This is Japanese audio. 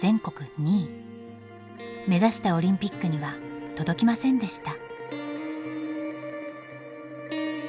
目指したオリンピックには届きませんでした。